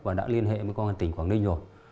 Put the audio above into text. và đã liên hệ với công an tỉnh quảng ninh rồi